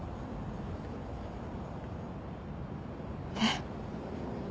えっ！？